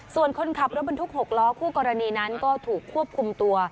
ส่วนคนขับรถบรรทุก๖ล้อคู่กรณีนั้นก็ถูกควบคุมตัว